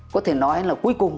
có thể nói là cuối cùng